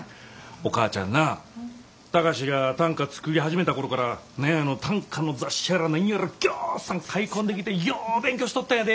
お母ちゃんな貴司が短歌作り始めた頃から何やあの短歌の雑誌やら何やらぎょうさん買い込んできてよう勉強しとったんやで。